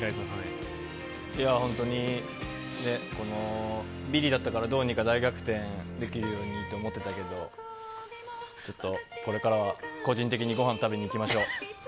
いや、本当に、このビリだったから、どうにか大逆転できるようにって思ってたけど、ちょっとこれからは、個人的にごはん食べに行きましょう。